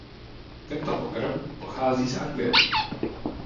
Tento pokrm pochází z Anglie.